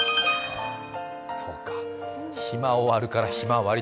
そうか、暇を割るからひまわり。